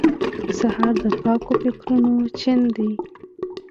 سهار د پاکو فکرونو چین دی.